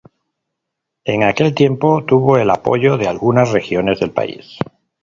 En aquel tiempo tuvo el apoyo de algunas regiones del país.